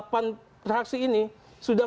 delapan fraksi ini sudah